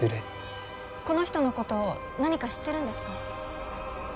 この人の事を何か知ってるんですか？